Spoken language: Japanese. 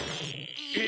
え？